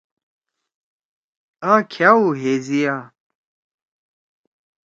آ کھأو ہیزیا۔